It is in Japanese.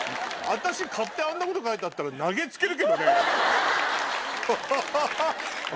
私買ってあんなこと書いてたら投げ付けるけどね。